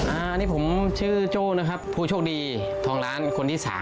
อันนี้ผมชื่อโจ้นะครับผู้โชคดีทองล้านคนที่สาม